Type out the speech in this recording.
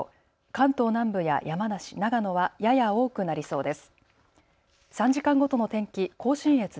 関東南部や山梨、長野はやや多くなりそうです。